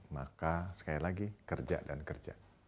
maka sekali lagi kerja dan kerja